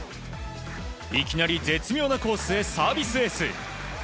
いきなり絶妙なコースへサービスエース。